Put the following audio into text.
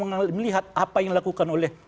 melihat apa yang dilakukan oleh